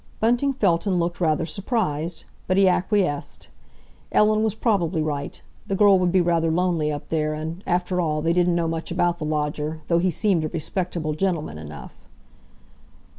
Bunting felt and looked rather surprised, but he acquiesced. Ellen was probably right; the girl would be rather lonely up there, and, after all, they didn't know much about the lodger, though he seemed a respectable gentleman enough.